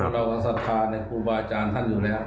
เราสัพพาท์กูบาอาจารย์ท่านอยู่แล้ว